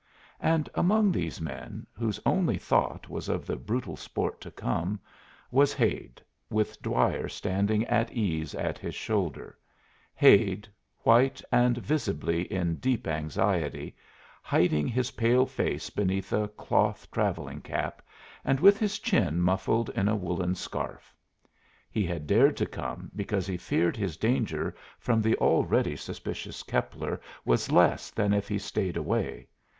And among these men, whose only thought was of the brutal sport to come, was Hade, with Dwyer standing at ease at his shoulder Hade, white, and visibly in deep anxiety, hiding his pale face beneath a cloth travelling cap, and with his chin muffled in a woollen scarf. He had dared to come because he feared his danger from the already suspicious Keppler was less than if he stayed away.